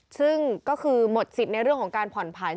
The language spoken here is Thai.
ซึ่งก็คือหมดสิทธิ์ในเรื่องของการผ่อนผัน